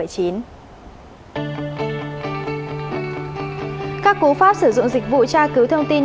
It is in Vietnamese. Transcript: các cố pháp sử dụng dịch vụ tra cứu thông tin